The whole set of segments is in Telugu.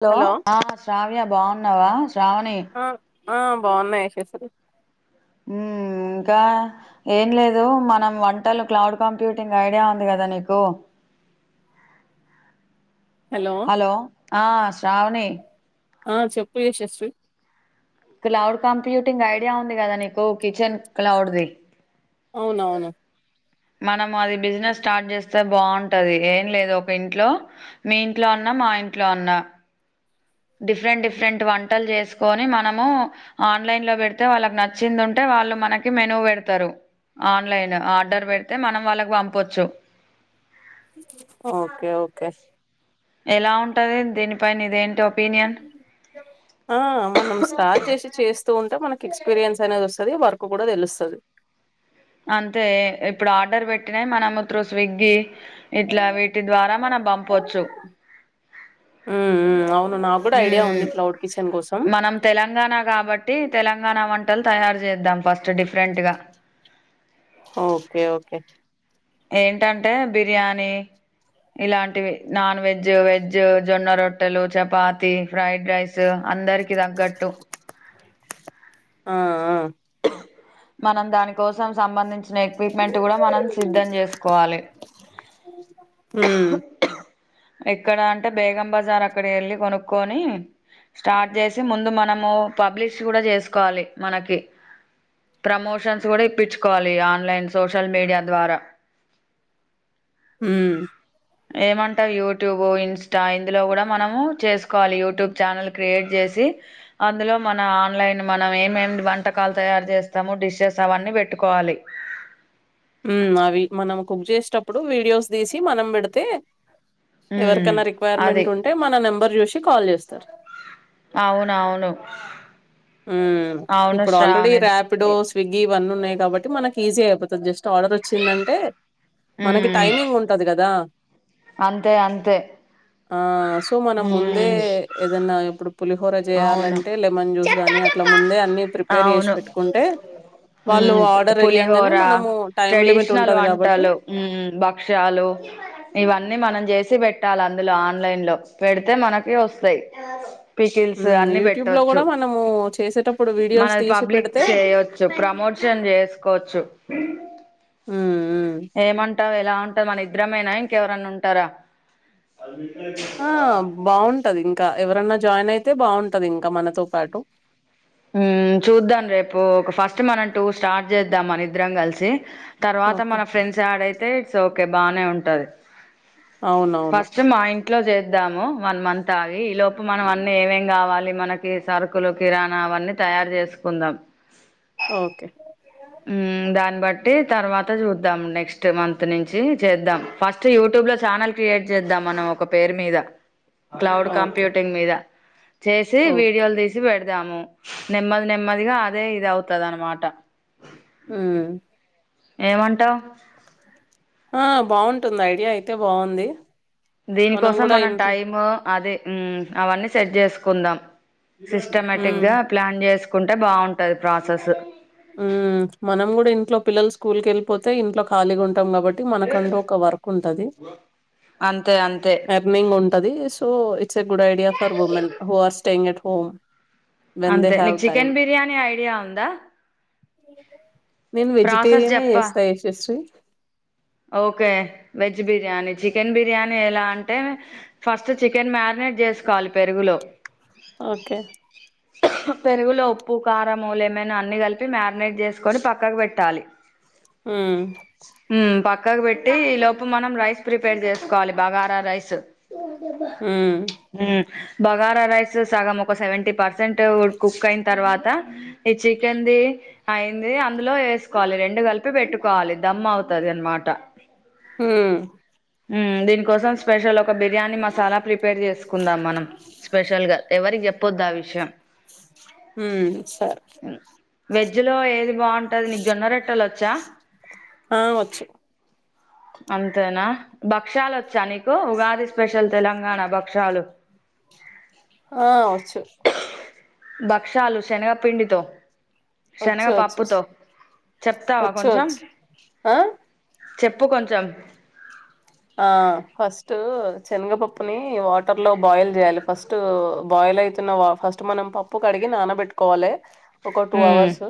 హలో ఆ శ్రావ్య బావున్నావా శ్రావణి ఆ ఆ బాగున్నాయి యశస్రీ ఊ ఇంకా ఏం లేదు మనం వంటలు క్లౌడ్ కంప్యూటింగ్ ఐడియా ఉంది కదా నీకు హలో ఆ శ్రావణి ఆ చెప్పు యశస్వి క్లౌడ్ కంప్యూటింగ్ ఐడియా ఉంది కదా నీకు కిచెన్ క్లౌడ్ది అవునవును మనం అది బిజినెస్ స్టార్ట్ చేస్తే బాగుంటది ఏం లేదు ఒక ఇంట్లో మీ ఇంట్లో అన్న మా ఇంట్లో అన్న డిఫరెంట్ డిఫరెంట్ వంటలు చేసుకొని మనము ఆన్లైన్ లో పెడితే వాళ్ళకి నచ్చిందింటే వాళ్ళు మనకి మెను పెడతారు ఆన్లైన్ ఆర్డర్ పెడితే మనం వాళ్ళకి పంపచ్చు ఓకే ఓకే ఎలా ఉంటది దీనిపైన ఇదేంటి ఆ మనం స్టార్ట్ చేసి చేస్తూ ఉం మనకి ఎక్స్పీరియన్స్ అనేది వస్తాది వర్క్ కూడా తేలుస్తది అంతే ఇప్పుడు ఆర్డర్ పెట్టినాయి మన ముత్రరు స్విగ్గి ఇట్లా వీటి ద్వారా మనం పంపచ్చు ఉమ్ ఉమ్ అవును నాకు కూడా ఐడియా ఉంది క్లౌడ్ కిచెన్ కోసం మనం హ్మ్మ్ తెలంగాణ కాబట్టి తెలంగాణ వంటలు తయారు చేద్దాం ఫస్ట్ డిఫరెంట్ గా ఓకే ఓకే ఏంటంటే బిర్యానీ ఇలాంటివి నాన్ వెజ్ వెజ్ జొన్న రొట్టెలు చపాతి. ఫ్రైడ్ రైస్ అందరికి తగ్గట్టు. ఆ మనం దాని కోసం సంబంధించిన ఎక్విప్మెంట్ కూడా మనం సిద్ధం చేసుకోవాలి. హ ఎక్కడ అంటే బేగం బజార్ అక్కడ వెళ్ళి కొనుక్కొని స్టార్ట్ చేసి ముందు మనము పబ్లిష్ కూడా చేసుకోవాలి మనకి ప్రమోషన్స్ కూడా ఇప్పించుకోవాలి ఆన్లైన్ సోషల్ మీడియా ద్వారా హ్మ్మ్ ఏమంటా యూట్యూబ్ ఇంస్టా ఇందులో కూడా మనము చేసుకోవాలి యూట్యూబ్ ఛానల్ క్రియేట్ చేసి అందులో మన ఆన్లైన్ మనం ఏమేమి వంటకాలు తయారు చేస్తాము డిషెస్ అవన్నీ పెట్టుకోవాలి. హ్మ్మ్ అవి మనం కుక్ చేసేటప్పుడు వీడియోస్ తీసి మనం పెడితే ఉమ్ ఎవరికైనా అది రిక్వైర్మెంట్ ఉంటే మన నెంబర్ చూసి కాల్ చేస్తారు. అవునవును హ్మ్మ్ అవును అవును ఇప్పుడు ఆల్రెడీ శ్రావణి ర్యాపిడో స్విగ్గి ఇవన్నీ ఉన్నాయి. కాబట్టి మన ఈజీ అయిపోతుంది జస్ట్ ఆర్డర్ వచ్చిందంటే మనకి ఉమ్ టైమింగ్ ఉంటది కదా అంతే అంతే ఆ సో మనం ముందే ఉమ్ ఏదన్నా ఇప్పుడు పులిహోర అవును చేయాలంటే లెమన్ జ్యూస్ గాని అట్లా ముందే అన్ని ప్రిపేర్ చేసి అవును పెట్టుకుంటే వాళ్ళు ఆర్డర్ ఇయ్యంగానే పులిహోర హమ్ మనము టైం లిమిట్ ట్రెడిషనల్ ఉంటది కాబట్టి వంటలు భక్ష్యాలు ఇవన్నీ మనం చేసి పెట్టాలా అందులో ఆన్లైన్ లో పేడితే మనకే వస్తాయి పీకే హ్మ్ అన్ని యూట్యూబ్ లో పెట్టచ్చు కూడా మనము చేసేటప్పుడు వీడియోస్ మనది తీసి పబ్లిక్ పెడితే చేయొచ్చు ప్రమోషన్ చేసుకోవచ్చు. హ్మ్ హ్మ్ [unintelligible] ఏమంటావు ఎలా అన్ ఇక మన ఇద్ద్రమైనా ఇంకెవరన్నా ఉంటారా ఆ బాగుంటది ఇంకా ఎవరన్నా జాయిన్ అయితే బాగుంటది ఇంకా మనతో పాటు హ్మ్మ్ చూద్దాం రేపు ఒక ఫస్ట్ మనం టూ స్టార్ట్ చేద్దాం మన ఇద్దరం కలిసి తర్వాత ఓకే మన ఫ్రెండ్స్ యాడైతే సోకే బానే ఉంటది. అవునవును. ఫస్ట్ మా ఇన్ ఇట్లో చేద్దాము వన్ మంత్ ఆగి ఈ లోపు మనం అన్ని ఏమేం కావాలి మనకి సరుకులు కిరాణ అవన్నీ తయారు చేసుకుందాం ఓకే ఉ దాన్ని బట్టి తర్వాత చూ ద్దాం నెక్స్ట్ మంత్ నుంచి చేద్దాం ఫస్ట్ యూట్యూబ్ లో ఛానల్ క్రియేట్ చేద్దాం మనం ఒక పేరు మీద క్లౌడ్ ఓకే. కంప్యూటింగ్ మీద చేసి ఓకే. వీడియోలు తీసి పెడత ద్దాము నెమ్మది నెమ్మదిగా అదే ఇది అవుతద అనమాట హ్మ్. ఏమంటావు ఆ బాగుంటుంది ఐడియా అయితే బాగుంది దీనికోసం మనం టైము అదే హ్మ్ అవన్నీ సెట్ చేసుకుందాం సిస్టమేటిక్ హ్మ్. గా ప్లాన్ చేసు చకుంటే బాగుంటది ప్రాసెస్ ఉ మనం కూడా ఇంట్లో పిల్లలు స్కూల్కి వెళ్ళిపోతే ఇంట్లో ఖాళీగా ఉంటు కాబట్టి మనకంటూ ఒక వర్క్ ఉంటది అంతే అంతే ఎర్నింగ్ ఉంటది so it's a good idea for women who are staying at home when they అంతే హావ్ నీకు చికెన్ బిర్యానీ ఐడియా ఉందా అ నేను ప్రాసెస్ వెజిటేరియనే చెప్పా చేస్తా Yashasri okay veg biryani chicken biryani ఎలా అంటే ఫస్ట్ చికెన్ మ్యాగ్నెట్ చేసుకోవాలి పెరుగులో ఓకే పెరుగులో ఉప్పు కారం లెమన్ అని కలిపి మ్యాగ్నెట్ చేసుకొని పక్కకు పెట్టాలి హ్మ్ హ్మ్ బక్ పక్కకు పెట్టి ఈ లోపు మనం రైస్ ప్రిపేర్ చేసుకోవాలి బగారా రైస్ హ్మ్. హ్మ్ బగారా రైస్ సగం ఒక సెవెంటీ పర్సెంట్ కుక్ అయిన తర్వాత ఈ చికెన్ ది అయింది అందులో ఏసుకోవాలి రెండు కలిపి పెట్టుకోవాలి దమ్ అవుతాది అనమాట త హ్మ్. హ్మ్ దీనికోసం స్పెషల్ ఒక బిర్యానీ మసాలా ప్రిపేర్ చేసుకుందాం మనం స్పెషల్ గా ఎవరికి చె పొద్దు విషయం హ్మ్ సరే వెజ్ లో ఏది బాగుంటుది నీ జొరెట్టల వచ్ జా ఆ వచ్ అంతేనా భక్షాల భక్షాలు ఆ వచ్చు భక్షాలు శనగపిండితో వచ్చు వచ్చు చెప్తావా వచ్చు కొంచెం వచ్చు ఆ చెప్పు కొంచెం ఆ ఫస్ట్ శనగపప్పుని వాటర్ లో బాయిల్ చేయాలి ఫస్ట్ బాయిల్ అయితున్న ఫస్ట్ మనం పప్పు కడిగి నానబెట్టుకోవాలి ఒక టూ హ్మ్ అవర్స్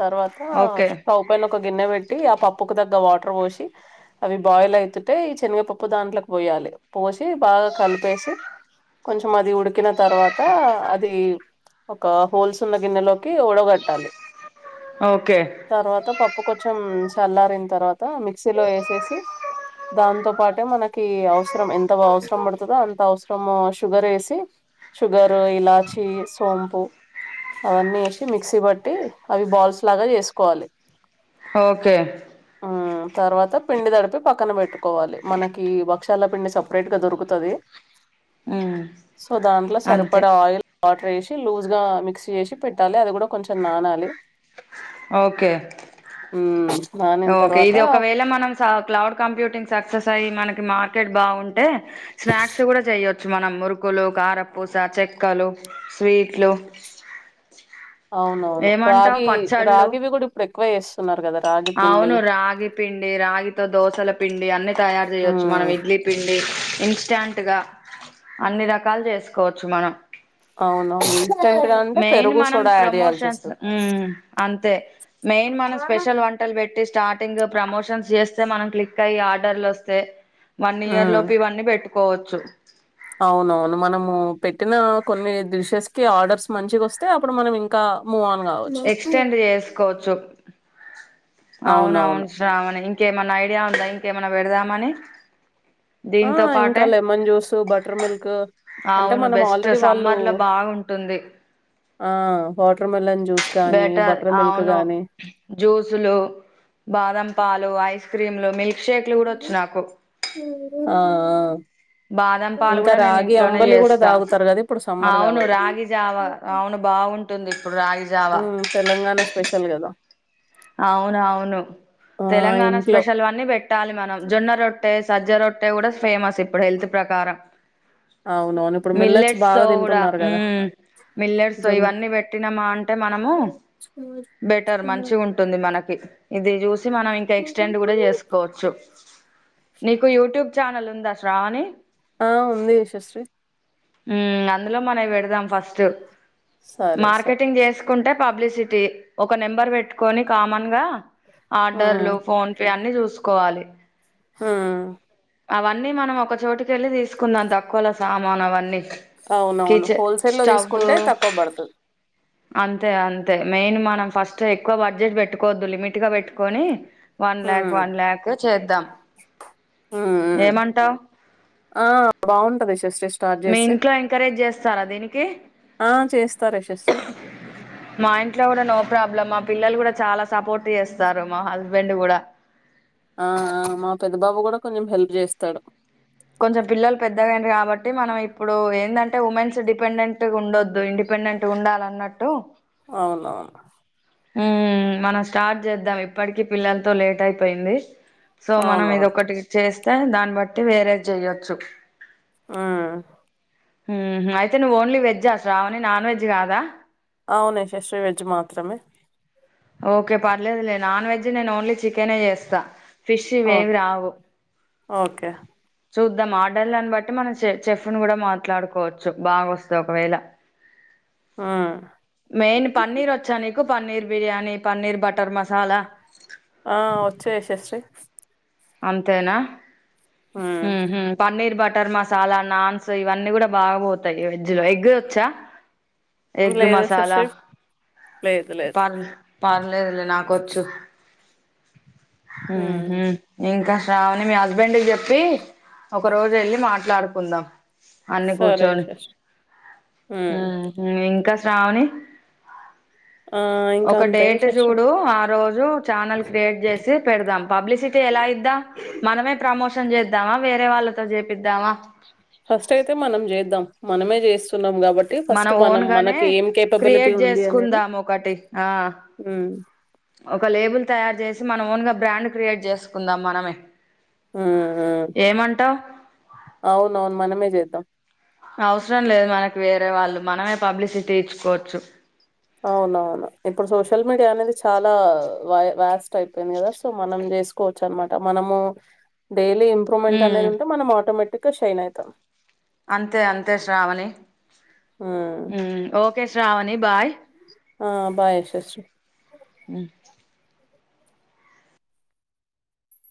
తర్వాత ఓకే స్టవ్ పైన ఒక గిన్నె పెట్టి ఆ పప్పుకు దగ్గ వాటర్ పోసి అవి బాయిల్ అవుతుంటే శనగపప్పు దాంట్లోకి పోయాలి పోసి బాగా కలిపేసి కొంచం అది ఉడికిన తర్వాత అది ఒక హోల్స్ ఉన్న గిన్నెలోకి వోడగట్టాలి ఓకే తర్వాత పప్పు కొంచెం చల్లారిన తర్వాత మిక్సీలో ఏసేసి దాంతో పాటే మనకి అవుస్ ఎంతగా అవసరం పడుతదో అంత అవసరం ఫ్రమ్ షుగర్ వేసి షుగర్ ఇలాచి సోంపు అవన్నీ ఏసి మిక్సీ పట్టి అవి బాల్స్ లాగా చేసుకోవాలి ఓకే తర్వాత పిండి తడిపి పక్కన పెట్టుకోవాలి మనకి వక్షాల పిండి సపరేట్ గా దొరుకుతది హ్మ్ సో దాంట్లో అంతే సరిపడ ఆయిల్ వాటర్ వేసి లూజ్గా మిక్స్ చేసి పెట్టాలి అది కూడా కొంచెం నానాలి ఓకే ఉమ్ నానిన ఓకే ఇది తర్వాత ఒకవేళ మనం స క్లౌడ్ కంప్యూటింగ్ సక్సెస్ అయ్యి మనకి మార్కెట్ బాగుంటే స్నాక్స్ కూడా చేయ మనం మురుకులు కారపూస చెక్కలు స్వీట్లు అవునవును ఏమంటావు రాగి పచ్చళ్ళు రాగివి కూడా ఇప్పుడు ఎక్కువ చేస్తున్నారు కదా రాగి పిండి అవును రాగి పిండి రాగితో దోసల పిండి అన్ని తయారు చేయొచ్చు మనం ఉమ్ ఇడ్లీ పిండి ఇన్స్టాంట్గా అన్ని రకాలు చేసుకోవచ్చు మనం అవునవును ఇన్స్టెంట్ గా అంటే మెయిన్ పెరుగు మనం సోడా యాడ్ చేయాల్సి ప్రమోషన్స్ వస్తది ఉ అంతే మెయిన్ మనం స్పెషల్ వంటలు పె స్టార్టింగ్ ప్రమోషన్స్ చేస్తే మనం క్లిక్ అయి ఆర్డర్లు వస్తే వన్ ఇయర్ ఉమ్ లోపు ఇవన్నీ పెట్టు కోవచ్చు అవునవును మనము పెట్టిన కొన్ని డిషెస్ కి ఆర్డర్స్ మంచిగా వస్తే. అప్పుడు మనం ఇంకా మూఅన్ ఎక్స్టెండ్ చేసుకోవచ్చు. అవునవును శ్రావణి ఇంకేమైన్నా ఐడియా ఉందా. ఇంకేమైన్నా పెడదామని ఆ దీంతో ఇంకా పాటే లెమన్ జ్యూస్, బటర్ మిల్క్ అంత అవును మనం బెస్ట్ ఆల్రెడీ వాళ్ళు. సమ్మర్ లో బాగుంటుంది ఆ హోట్ట్రూ మిలాన్ బెటర్ అవును జ్యూసులు, బాదం పాలు, ఐస్ క్రీమ్ లు, మిల్క్ షేక్లు కూడా వచ్చు నాకు ఆమ్ బాదం పాలు కూడా నేను ఇంట్లోనే కూడా చేస్తా. తాగుతారు కదా ఇప్పుడు సమ్మర్ అవును కాబట్టి రాగి జావ అవును బాగుంట్ టుంది తెలంగాణ స్పెషల్ గదా. అవునవును తెలంగాణ ఇంట్లో స్పెషల్ అనీ పెట్టాలి మనం. జొన్న రొట్ ట్టె, సజ్జరో ట్టే కూడా ఫేమస్ ఇప్పుడు హెల్త్ క్ ప్రకారం అవునవును ఇప్పుడు మిల్లెట్స్ తో బాగా కూడా తింటున్నారు కదా హ్మ్ మిల్లెట్స్ జొన్న ఇవన్నీ పెట్టినామా అంటే మనము. బెటర్ మంచి ఉంట్ మనకి ఇది జూస్ మనం ఇంకా ఎక్స్టెండ్ గూడా చేసుకోవచ్చు. నీకు యూట్యూబ్ ఛానల్ ఉందా. శ్రావణి ఆ ఉంది యశస్వి హ్మ్ అందులో మనవి పెడదాం ఫస్ట్. సరే సరే మార్కెటింగ్ చేసుక్ కుంటే పబ్లిసిటీ ఒక నెంబర్ పెట్టుకొని. కామన్ గా ఉమ్ ఆర్డర్లు ఫోన్ పే అన్ని చూసుక్ కోవాలి హహ్ అవన్నీ మనం ఒక చోటుక వెళ్ళి తీసుకుందాం. తక్కువల సామాను అవన్నీ. అవునవును కిచెన్ హోల్సే లో స్టవ్ తీసుకుంటే తక్కువ పడుతది. అంతే అంతే మెయిన్ మనం ఫస్ట్ ఎక్కువ బడ్జెట్ పెట్టుకోవద్దు. లిమిట్ గా పెట్టుకొని వన్ ల్యాక్ ఉమ్ వన్ ల్యాక్ చేద్దాం. ఉమ్ ఉమ్ ఏమంటావ్ ఆ బాగుంటది యశస్వి స్టార్ట్ మీ చేస్తే ఇంట్లో ఎంకరేజ్ క్ చేస్తారా దీనికి ఆ చేస్తారు యశశ్రీ ప్రాబ్లమ్ ఆ పిల్లలు కూడా చాలా సపోర్ట్ చేస్ సారు మా హస్బెండ్ కూడా ఆ ఆ మా పెద్ద బాబు కూడా కొంచెం హెల్ప్ చేస్తాడు కొంచెం పిల్లలు పెద్దగాయిండ్రు కాబట్టి మనం ఇప్పుడు ఏందంటే, ఉమెన్స్ డిపెండెంట్ ఉండొద్దు ఇండిపెండెంట్ ఉండాలన్నట్టు. అవునవున్ ఉమ్ మనం స్టార్ట్ చేద్దాం. ఇప్పటికి పిల్లలతో లేట్ అయిపోయింది. సో మనం అవునవును ఇదొకటి చేస్ తే దాన్ని బట్టి వేరే చేయోచ్చు ఆ హ్మ్ అయితే నువ్వు ఓన్లీ వెజ్ ఆ శ్రావణి నాన్ వెజ్ కాదా. అవున్ యశశ్రీ వెజ్ మాత్రమే ఓకే పర్లేదు లే నాన్ వెజ్ నీ నేన్ ఓన్లీ చికెన్ ఏ చేస్తా ఫిష్ ఇవి ఏవి ఓకే రావు ఓకే చూద్దాం ఆర్డళ్ళని బట్టి మనం చె చెఫ్ ని కూడా మాట్లాడుకోవచ్చు, బాగా వస్తే ఒకవేళ. ఉమ్ మెయిన్ పన్నీర్ వచ్చా నీక్ క్ పన్నీర్ బిర్యానీ పన్నీర్ బటర్ మసాలా ఆ వచ్చు యశస్వి అంతేనా ఉమ్ హు హ్మ్ పన్నీర్ బటర్ మసాలా నాన్స్ ఇవన్నీ కూడా, బాగా పోతాయి వెజ్ లో ఎగ్ వచ్చా. ఎగ్ లేదు మసాలా శశి లేదు లేదు పర్ పర్లేదులే నాకోచ్చు ఊ ఉమ్ హ్మ్ ఇంకా శ్రావణి మీ హస్బెండ్ కి చెప్పి, ఒక రోజు ఎళ్ళి మాట్లాడుకుందాం. అన్ని సరే కూర్చోని శశి ఉమ్ హ్మ్ హ్మ్ ఇంకా శ్రావణి ఆ ఇంకా ఒక అంతే డేట్ శశి చూడు ఆ రోజు ఛానల్ క్రియేట్ చేసి పెడదాం. పబ్లిసి తే ఎలా ఇద్దాం మనమే ప్రమోషన్ చేద్దామా, వేరే వాళ్ళతో చేపిద్దామా. ఫస్ట్ అయితే మనం చేద్దాం మనమే చేస్తున్నాం కాబట్టి ఫస్ట్ మనం ఓన్గానే మనకి ఏం కేపబిలిటీ క్రియేట్ ఉంది అనేది చేసుకుందాం, ఒకటి ఆ ఉమ్ ఒక లేబుల్ తయార్ చేస్. మన ఓన్ గా బ్రాండ్ క్రియేట్ చేసుకుందాం మనమే. హ్మ్ ఏమంటావ్ అవును అవును మనమే చేద్దాం అవసరం లేదు మనకి వేరే వాళ్ళు మనమే పబ్లిసిటీ ఇచ్చుకోవచ్చు. అవునవును ఇప్పుడు సోషల్ మీడియా అనేది చాలా వ వ్యాస్ట్ అయిపోయింది కదా, సో మనం చేసుకోవచ్చు అనమాట మనము. డైలీ ఇంప్రూవ్మెంట్ అనే ఉమ్ ఉంటే మనం ఆటోమె టిక్, ఇంకా షైన్ అయితం, అంతే అంతే శ్రావణి ఉమ్ హు ఓకే శ్రావణి బాయ్, ఆ బాయ్ శశీ హు